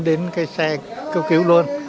đến cái xe cấp cứu luôn